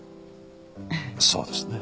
そうですね。